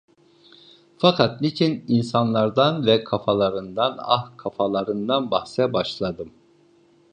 Fakat niçin insanlardan ve kafalarından, ah, kafalarından bahse başladım.